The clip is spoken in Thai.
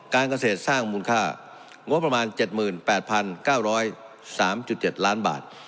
การเกษตรสร้างมูลค่างบประมาณ๗๘๙๐๓๗ล้านบาท